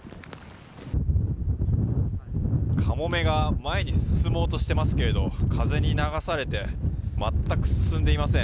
カモメが前に進もうとしていますが風に流されて全く進んでいません。